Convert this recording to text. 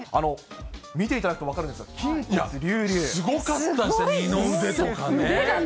見ていただくと分かるんですが、すごかったですね。